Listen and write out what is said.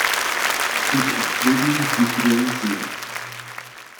We moeten ons twee dingen goed realiseren.